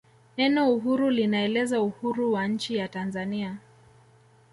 neno uhuru linaeleza uhuru wa nchi ya tanzania